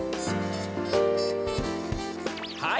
はい。